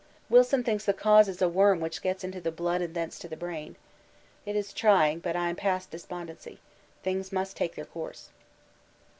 Wilson thinks the cause is a worm which gets into the blood and thence to the brain. It is trying, but I am past despondency. Things must take their course.